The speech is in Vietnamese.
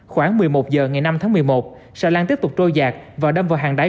khoảng một mươi một h ngày năm tháng một mươi một xà lan tiếp tục trôi giạc và đâm vào hàng đáy